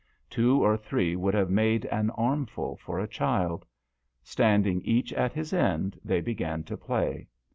Two or three would have made an armful for a child. Standing each at his end they began to play.